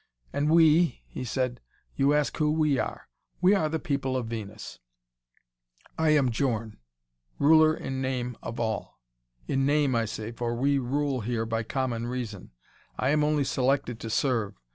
"And we," he said, "you ask who we are. We are the people of Venus. I am Djorn, ruler, in name, of all. 'In name' I say, for we rule here by common reason; I am only selected to serve.